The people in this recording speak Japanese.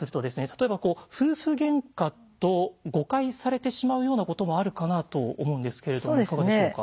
例えば夫婦ゲンカと誤解されてしまうようなこともあるかなと思うんですけれどもいかがでしょうか？